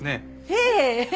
へえ。